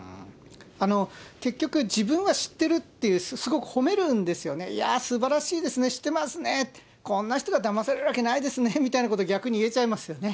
結局、自分は知ってるっていう、すごく褒めるんですよね、いやーすばらしいですね、知ってますねって、こんな人がだまされるわけないですよねみたいなことを逆に言えちゃいますよね。